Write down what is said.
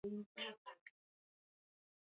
wako na uzoefu wa usafiri umelipatia pesa